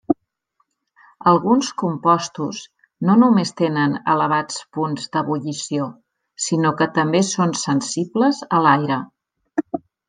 Alguns compostos no només tenen elevats punts d'ebullició sinó que també són sensibles a l'aire.